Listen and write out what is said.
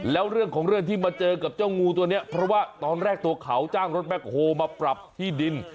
แล้วเรื่องของเรื่องที่มาเจอกับเจ้างูตัวนี้เพราะว่าตอนแรกตัวเขาจ้างรถแบ็คโฮมาปรับที่ดิน